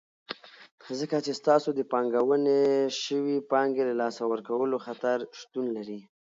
ځکه چې ستاسو د پانګونې شوي پانګې له لاسه ورکولو خطر شتون لري.